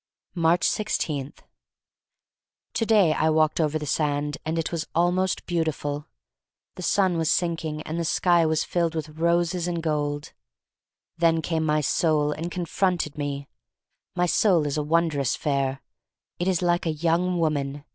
Aatcb 16. TO DAY I walked over the sand, and it was almost beautiful. The sun was sinking and the sky was filled with roses and gold. Then came my soul and confronted me. My soul is wondrous fair. It is like a young woman.